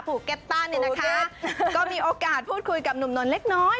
ภูเก็ตต้าเนี่ยนะคะก็มีโอกาสพูดคุยกับหนุ่มนนทเล็กน้อย